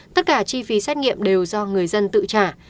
tất cả chi phí xét nghiệm đều do người dân tự trả